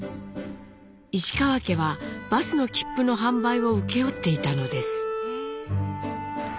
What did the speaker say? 石川家はバスの切符の販売を請け負っていたのです。